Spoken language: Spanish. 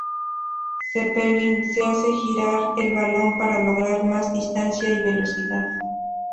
Zeppelin: se hace girar el balón para lograr más distancia y velocidad.